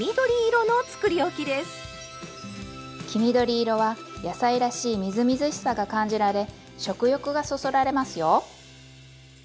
黄緑色は野菜らしいみずみずしさが感じられ食欲がそそられますよ！